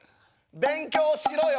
勉強しろよ！